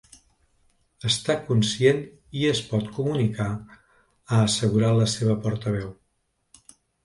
Està conscient i es pot comunicar, ha assegurat la seva portaveu.